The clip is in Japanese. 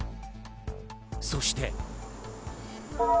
そして。